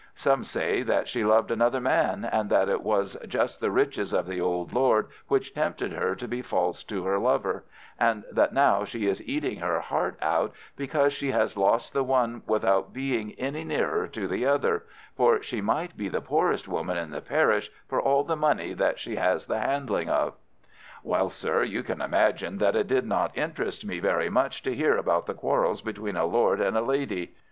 Some say that she loved another man, and that it was just the riches of the old Lord which tempted her to be false to her lover, and that now she is eating her heart out because she has lost the one without being any nearer to the other, for she might be the poorest woman in the parish for all the money that she has the handling of." Well, sir, you can imagine that it did not interest me very much to hear about the quarrels between a Lord and a Lady.